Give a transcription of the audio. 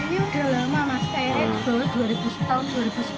ini udah lama mas krl di bawah tahun dua ribu sepuluh